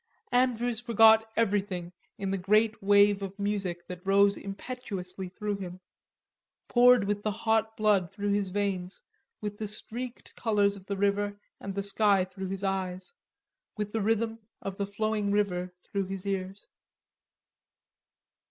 Andrews forgot everything in the great wave of music that rose impetuously through him, poured with the hot blood through his veins, with the streaked colors of the river and the sky through his eyes, with the rhythm of the flowing river through his ears.